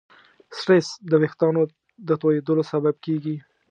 سټرېس د وېښتیانو د تویېدلو سبب کېږي.